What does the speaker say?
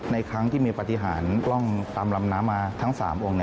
ในครั้งที่มีปฏิหารกล้องตามลำน้ำมาทั้ง๓องค์